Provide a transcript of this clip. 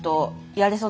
やれそう。